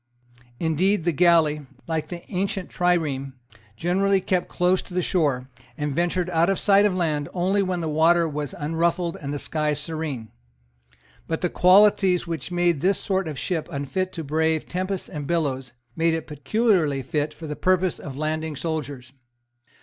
Indeed the galley, like the ancient trireme, generally kept close to the shore, and ventured out of sight of land only when the water was unruffled and the sky serene. But the qualities which made this sort of ship unfit to brave tempests and billows made it peculiarly fit for the purpose of landing soldiers.